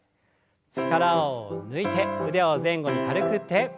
力を抜いて腕を前後に軽く振って。